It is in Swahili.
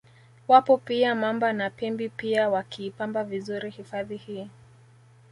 Wapo pia Mamba na Pimbi pia wakiipamba vizuri hifadhi hii